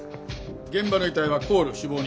現場の遺体は行旅死亡人。